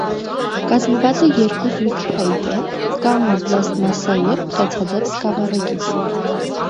Կազմված է երկու զույգ փայտե (կամ պլաստմասսայե) խեցաձև սկավառակից։